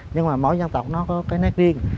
nhưng mà mỗi dân tộc nó có cái nét riêng